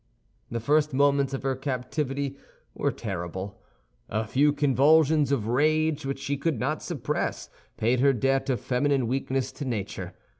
The first moments of her captivity were terrible; a few convulsions of rage which she could not suppress paid her debt of feminine weakness to nature.